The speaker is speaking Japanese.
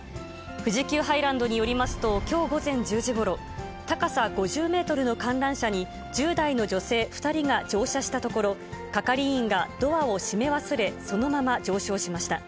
富士急ハイランドによりますと、きょう午前１０時ごろ、高さ５０メートルの観覧車に１０代の女性２人が乗車したところ、係員がドアを閉め忘れ、そのまま上昇しました。